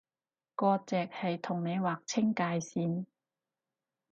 割蓆係同你劃清界線